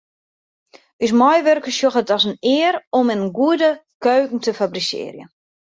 Us meiwurkers sjogge it as in eare om in goede keuken te fabrisearjen.